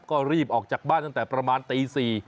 ก็รีบออกจากบ้านตั้งแต่ประมาณตี๔